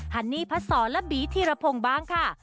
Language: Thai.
ฮันนี่พัดสอนและบีธีรพงศ์บ้างค่ะ